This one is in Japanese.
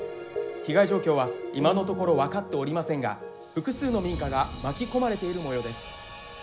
被害状況は今のところ分かっておりませんが複数の民家が巻き込まれているもようです。